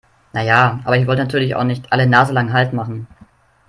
Na ja, aber ich wollte natürlich auch nicht alle naselang Halt machen.